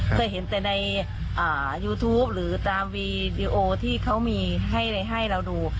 เคยเห็นแต่ในยูทูปหรือตามวีดีโอที่เขามีให้เราดู